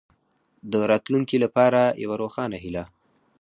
د راتلونکې لپاره یوه روښانه هیله.